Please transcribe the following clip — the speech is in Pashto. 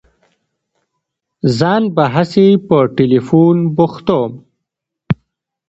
ځان به هسي په ټېلفون بوختوم.